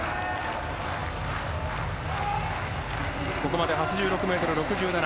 ここまで８６ｍ６７。